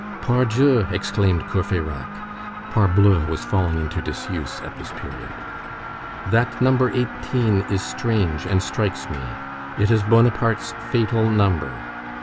"Pardieu!" exclaimed Courfeyrac ("Parbleu" was falling into disuse at this period), "that number 18 is strange and strikes me. It is Bonaparte's fatal number.